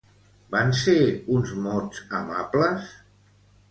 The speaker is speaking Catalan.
Van ser uns mots amables?